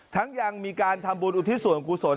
ทั้งยังมีการทำบุญอุทิศสวรรค์อย่างกุศล